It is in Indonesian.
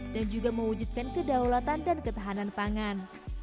dan juga mewujudkan kedaulatan dan ketahanan pangan